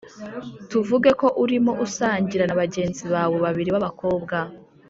Tuvuge ko urimo usangira na bagenzi bawe babiri b abakobwa